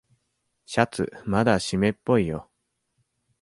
シャツまだしめっぽいよ。